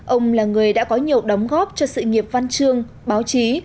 ông là người đã có nhiều đóng góp cho sự nghiệp văn chương báo chí